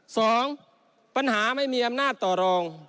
สองปัญหาไม่มีอำนาจต่อรอง